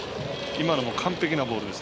今のも完璧なボールです。